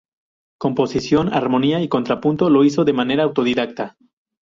Composición, armonía y contrapunto lo hizo de manera autodidacta.